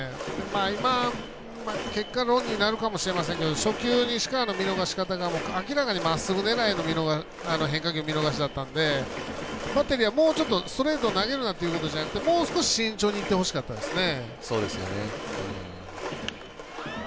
今、結果論になるかもしれませんけど初球、西川の見逃し方が明らかにまっすぐ狙いの変化球見逃しだったのでバッテリーはもうちょっとストレート投げるなということじゃなくてもう少し慎重にいってほしかったですね。